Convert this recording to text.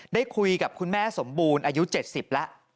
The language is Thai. ได้คุยกับคุณแม่สมบูรณ์อายุ๗๐แล้ว